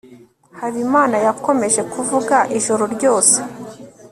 habimana yakomeje kuvuga ijoro ryose